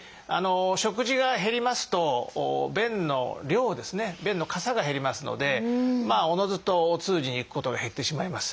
食事が減りますと便の量ですね便のかさが減りますのでおのずとお通じに行くことが減ってしまいます。